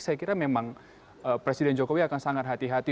saya kira memang presiden jokowi akan sangat hati hati